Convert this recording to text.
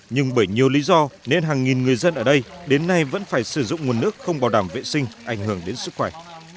nhưng bởi nhiều lý do nên hàng nghìn người dân ở đây đến nay vẫn phải sử dụng nguồn nước không bảo đảm vệ sinh ảnh hưởng đến sức khỏe